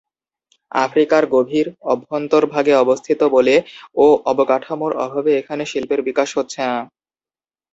আফ্রিকার গভীর অভ্যন্তরভাগে অবস্থিত বলে ও অবকাঠামোর অভাবে এখানে শিল্পের বিকাশ হচ্ছে না।